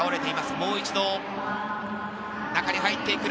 もう一度、中に入ってくる。